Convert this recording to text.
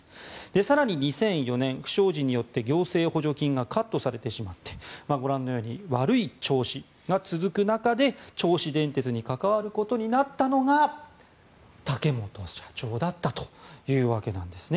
更に、２００４年不祥事によって行政補助金がカットされてしまってご覧のように悪い調子が続く中で銚子電鉄に関わることになったのが竹本社長だったというわけです。